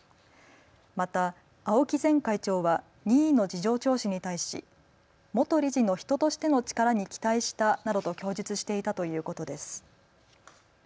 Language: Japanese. また青木前会長は任意の事情聴取に対し元理事の人としての力に期待したなどと供述していたということです。